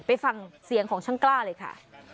ไปฟังเสียงของช่างกล้าเลยค่ะ